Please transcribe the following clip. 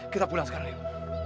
kita pulang sekarang